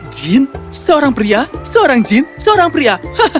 jin seorang pria seorang jin seorang pria